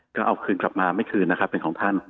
ก็เอาคืนกลับมาไม่คืนนะครับเป็นของท่าน